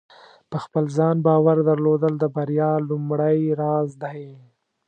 په خپل ځان باور درلودل د بریا لومړۍ راز دی.